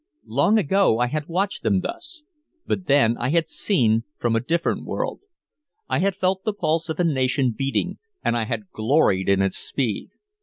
Long ago I had watched them thus, but then I had seen from a different world. I had felt the pulse of a nation beating and I had gloried in its speed.